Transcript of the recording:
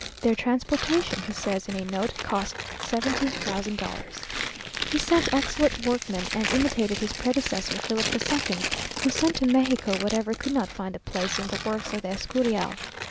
("Their transportation," he says in a note, "cost seventy thousand dollars.") He sent excellent workmen, and imitated his predecessor Philip the Second, who sent to Mexico whatever could not find a place in the works of the Escurial.